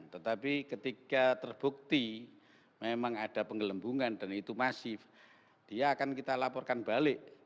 tetapi ketika terbukti memang ada penggelembungan dan itu masif dia akan kita laporkan balik